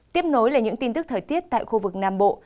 tiếp nối là những tin tức thời tiết tại khu vực nam bộ